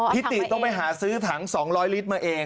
ติต้องไปหาซื้อถัง๒๐๐ลิตรมาเอง